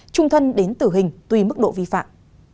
trung thân đến tử hình tùy mức độ vi phạm